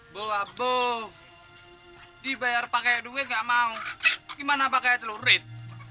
bu abu dibayar pakai duit nggak mau gimana pakai celurit